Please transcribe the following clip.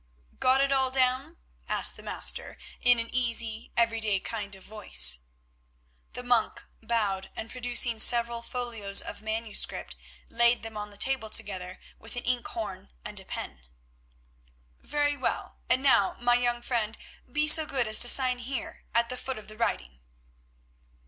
"Got it all down?" asked the Master in an easy, everyday kind of voice. The monk bowed, and producing several folios of manuscript, laid them on the table together with an ink horn and a pen. "Very well. And now, my young friend, be so good as to sign there, at the foot of the writing."